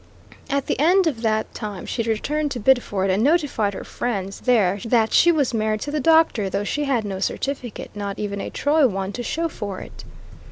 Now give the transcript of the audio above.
At the end of that time she returned to Biddeford and notified her friends treat she was married to the doctor, though she had no certificate, not even a Troy one, to show for it.